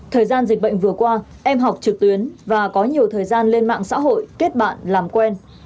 thời gian dịch bệnh vừa qua em học trực tuyến và có nhiều thời gian lên mạng xã hội kết bạn làm quen